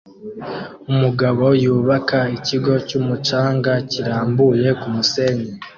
Umugabo yubaka ikigo cyumucanga kirambuye kumusenyi